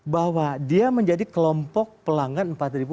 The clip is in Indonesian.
bahwa dia menjadi kelompok pelanggan empat empat ratus